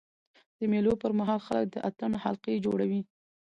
د مېلو پر مهال خلک د اتڼ حلقې جوړوي.